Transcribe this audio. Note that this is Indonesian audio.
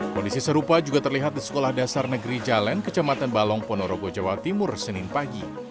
kondisi serupa juga terlihat di sekolah dasar negeri jalan kecamatan balong ponorogo jawa timur senin pagi